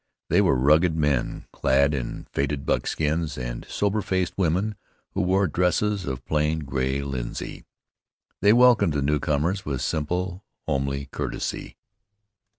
They were rugged men, clad in faded buckskins, and sober faced women who wore dresses of plain gray linsey. They welcomed the newcomers with simple, homely courtesy.